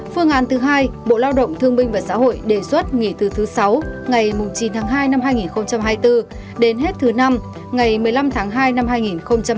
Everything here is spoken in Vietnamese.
phương án thứ hai bộ lao động thương minh và xã hội đề xuất nghỉ từ thứ sáu ngày chín tháng hai năm hai nghìn hai mươi bốn đến hết thứ năm ngày một mươi năm tháng hai năm hai nghìn hai mươi bốn